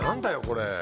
これ。